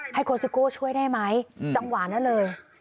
โคซิโก้ช่วยได้ไหมจังหวะนั้นเลย